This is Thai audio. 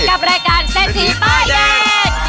กับรายการเศรษฐีป้ายแดง